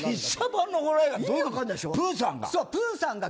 プーさんが。